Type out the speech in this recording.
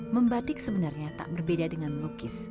membatik sebenarnya tak berbeda dengan melukis